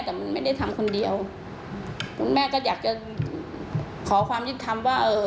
แต่มันไม่ได้ทำคนเดียวคุณแม่ก็อยากจะขอความยุติธรรมว่าเอ่อ